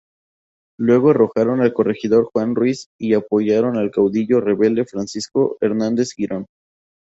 Luego arrojaron al corregidor Juan Ruiz y apoyaron al caudillo rebelde Francisco Hernández Girón.